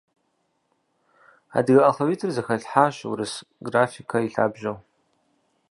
Адыгэ алфавитыр зэхэлъхьащ урыс графикэр и лъабжьэу.